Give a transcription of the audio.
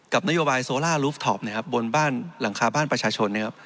กับนโยบายโซลารูฟท็อปบนหลังคาบ้านประชาชน